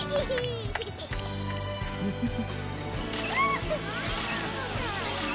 フフフ。